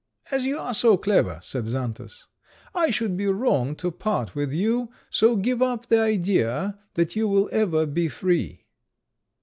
"As you are so clever," said Xantus, "I should be wrong to part with you; so give up the idea that you will ever be free."